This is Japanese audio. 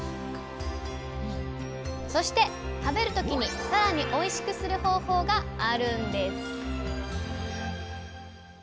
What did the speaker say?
そして食べる時にさらにおいしくする方法があるんです！